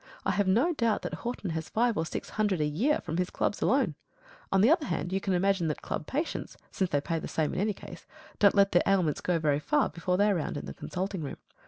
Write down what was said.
I have no doubt that Horton has five or six hundred a year from his clubs alone. On the other hand, you can imagine that club patients, since they pay the same in any case, don't let their ailments go very far before they are round in the consulting room.